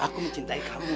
aku mencintai kamu